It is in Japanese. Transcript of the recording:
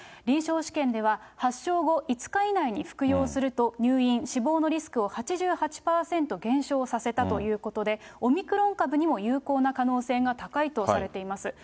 臨床試験では、発症後５日以内に服用すると入院、死亡のリスクを８８％減少させたということで、オミクロン株にも有効な可能性が高いとされています。